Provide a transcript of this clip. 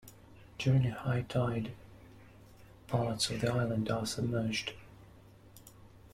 During a high tide, parts of the island are submerged.